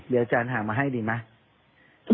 เดี๋ยวอาจารย์หามาให้ดีไหม